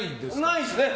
ないですね。